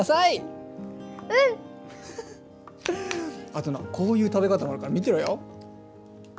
あとなこういう食べ方もあるから見てろよ！